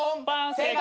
正解！